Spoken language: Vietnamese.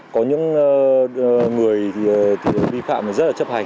có những người thì vi phạm rất là chấp hành